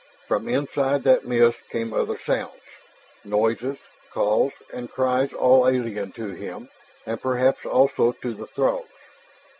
From inside that mist came other sounds noises, calls, and cries all alien to him, and perhaps also to the Throgs.